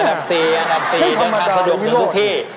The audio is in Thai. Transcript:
อันดับสี่อันดับสี่ด้วยความสะดวกในทุกที่